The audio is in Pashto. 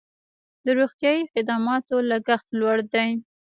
د روغتیايي خدماتو لګښت لوړ دی